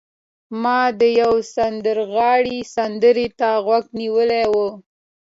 ما د یو سندرغاړي سندرې ته غوږ نیولی و